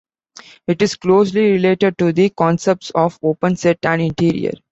It is closely related to the concepts of open set and interior.